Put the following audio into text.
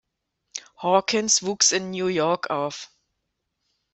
Hawkins wuchs in New York auf.